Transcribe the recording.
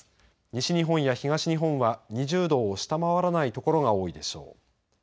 西日本や東日本は２０度を下回らない所が多いでしょう。